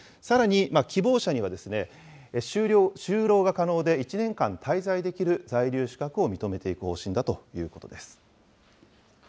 さらに希望者には、就労が可能で１年間滞在できる在留資格を認めていく方針だということです。